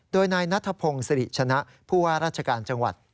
โดยนายนัทพงศิริชนะผู้ว่าราชการจังหวัด